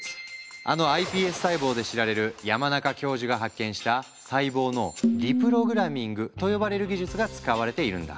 あのｉＰＳ細胞で知られる山中教授が発見した細胞のリプログラミングと呼ばれる技術が使われているんだ。